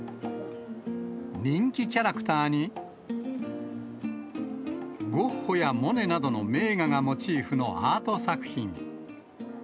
人気キャラクターに、ゴッホやモネなどの名画がモチーフのアート作品。